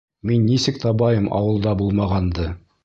Мин нисек табайым ауылда булмағанды?